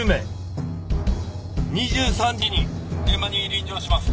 「２３時に現場に臨場します」